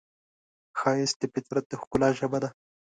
ښایست د فطرت د ښکلا ژبه ده